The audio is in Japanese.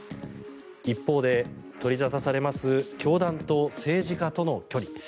一方で、取り沙汰されます教団と政治家との距離。